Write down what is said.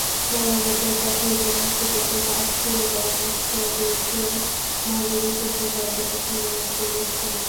জলাবদ্ধতা থেকে মুক্তি পেতে কাজ শুরুর পরামর্শ দিয়েছেন নগর বিশেষজ্ঞ অধ্যাপক নজরুল ইসলাম।